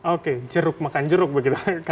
oke jeruk makan jeruk begitu